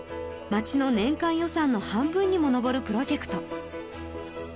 町の年間予算の半分にも上るプロジェクト